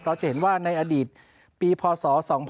จะเห็นว่าในอดีตปีพศ๒๕๖